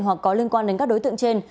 hoặc có liên quan đến các đối tượng trên